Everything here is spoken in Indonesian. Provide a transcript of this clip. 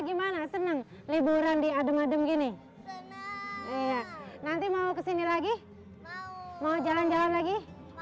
gimana seneng liburan di adem adem gini iya nanti mau kesini lagi mau jalan jalan lagi